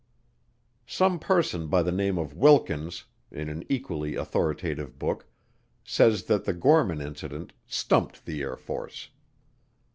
Some person by the name of Wilkins, in an equally authoritative book, says that the Gorman Incident "stumped" the Air Force.